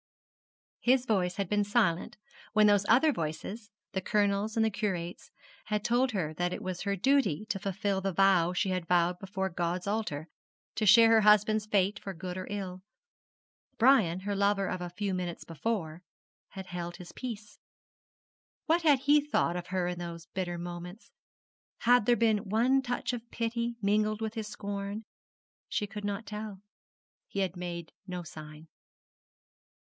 His voice had been silent when those other voices the Colonel's and the Curate's had told her that it was her duty to fulfil the vow she had vowed before God's altar: to share her husband's fate for good or ill. Brian, her lover of a few minutes before, had held his peace. What had he thought of her in those bitter moments? Had there been one touch of pity mingled with his scorn? She could not tell. He had made no sign.